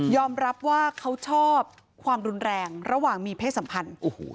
รับว่าเขาชอบความรุนแรงระหว่างมีเพศสัมพันธ์